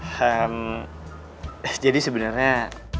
ehm jadi sebenernya